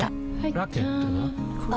ラケットは？